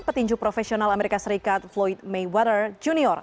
petinju profesional amerika serikat floyd mayweather jr